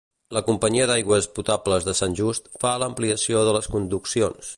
La Companyia d'Aigües Potables de Sant Just, fa l'ampliació de les conduccions.